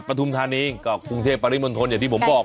ทุมธานีก็กรุงเทพปริมณฑลอย่างที่ผมบอก